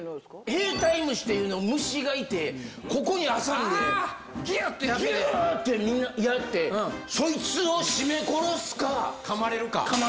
兵隊虫という虫がいて、ここに挟んで、ぎゅーって、みんなやって、そいつを絞め殺すか、かまれるか。